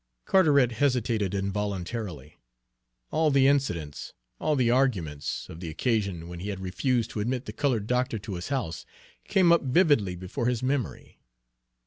Carteret hesitated involuntarily. All the incidents, all the arguments, of the occasion when he had refused to admit the colored doctor to his house, came up vividly before his memory.